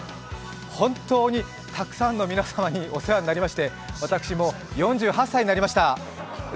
本当にたくさんの皆様にお世話になりまして、私も４８歳になりました！